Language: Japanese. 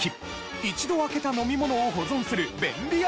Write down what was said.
一度開けた飲み物を保存する便利アイテムとは？